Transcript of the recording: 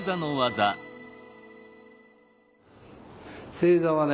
正座はね